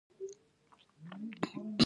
دوی امنیتي وسایل نړۍ ته پلوري.